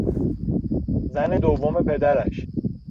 زن دوم پدرش